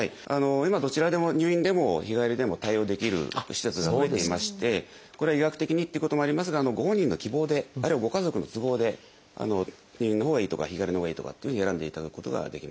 今どちらでも入院でも日帰りでも対応できる施設が増えていましてこれは医学的にっていうこともありますがご本人の希望であるいはご家族の都合で入院のほうがいいとか日帰りのほうがいいとかっていうふうに選んでいただくことができます。